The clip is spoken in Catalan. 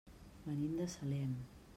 Venim de Salem.